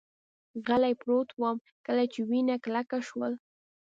غلی پروت ووم، کله چې وینه کلکه شول.